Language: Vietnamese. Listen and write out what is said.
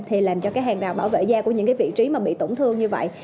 thì làm cho cái hàng rào bảo vệ da của những cái vị trí mà bị tổn thương như vậy